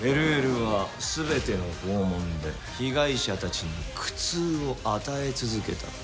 ＬＬは全ての拷問で被害者たちに苦痛を与え続けた。